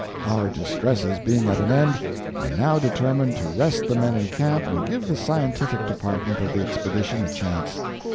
Our distresses being at an end, I now determined to rest the men in camp and give the scientific department of the Expedition a chance.